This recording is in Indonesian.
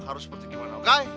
harus seperti gimana oke